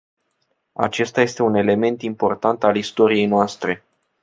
Acesta este un element important al istoriei noastre.